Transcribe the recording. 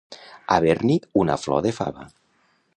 Haver-n'hi una flor de fava.